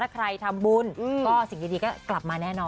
ใครทำบุญก็สิ่งดีก็กลับมาแน่นอน